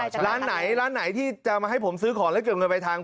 อ๋อใช่ใช่ครับร้านไหนที่จะมาให้ผมซื้อของแล้วเก็บเงินปลายทาง